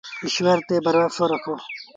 ايٚشور تي ڀروسو رکو۔